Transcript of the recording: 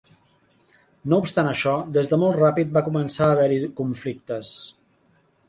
No obstant això, des de molt ràpid va començar a haver-hi conflictes.